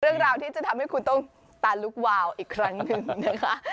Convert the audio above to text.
เรื่องราวที่จะทำให้คุณต้องตาลุกวาวอีกครั้งหนึ่งนะคะ